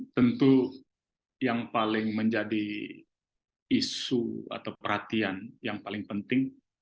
tentu yang paling menjadi isu atau perhatian yang paling penting